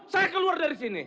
saya keluar dari sini